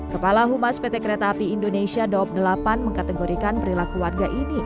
kepala humas pt kereta api indonesia daop delapan mengkategorikan perilaku warga ini